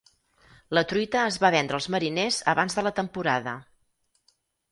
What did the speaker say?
La truita es va vendre als mariners abans de la temporada.